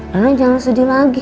njus jangan sedih lagi